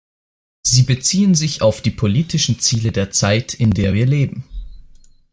Sie beziehen sich auf die politischen Ziele der Zeit, in der wir leben.